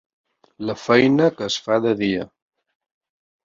La feina que es fa de dia.